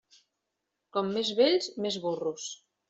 Com més vells, més burros.